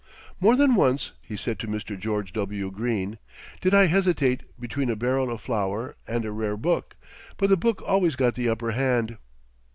"More than once," he said to Mr. George W. Greene, "did I hesitate between a barrel of flour and a rare book; but the book always got the upper hand."